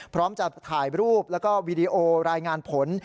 พร้อมจะถ่ายรูปแล้วก็วีดีโอรายงานผล